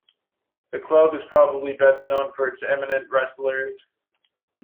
The club is probably best known for its eminent wrestlers.